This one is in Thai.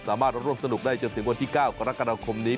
สามารถร่วมสนุกได้จนถึงวันที่๙กรกฎาคมนี้